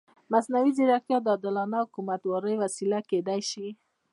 مصنوعي ځیرکتیا د عادلانه حکومتدارۍ وسیله کېدای شي.